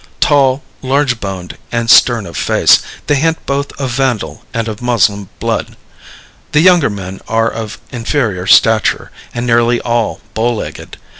Tall, large boned, and stern of face, they hint both of Vandal and of Moslem blood. The younger men are of inferior stature, and nearly all bow legged.